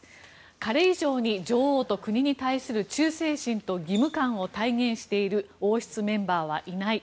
彼以上に女王と国に対する忠誠心と義務感を体現している王室メンバーはいない。